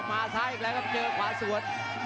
มาซ้ายอีกแล้วก็เจอขวาสวด